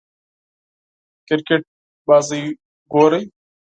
کریکټ لوبه ګورئ